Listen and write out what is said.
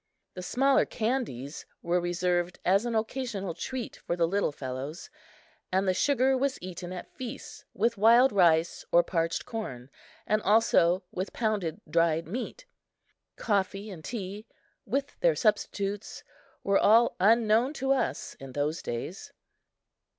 The smaller candies were reserved as an occasional treat for the little fellows, and the sugar was eaten at feasts with wild rice or parched corn, and also with pounded dried meat. Coffee and tea, with their substitutes, were all unknown to us in those days.